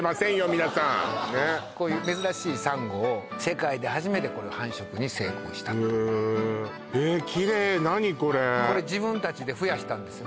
皆さんこういう珍しいサンゴを世界で初めてこれを繁殖に成功したとえキレイ何これこれ自分たちで増やしたんですよ